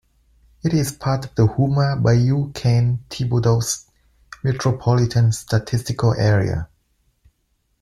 It is part of the Houma-Bayou Cane-Thibodaux Metropolitan Statistical Area.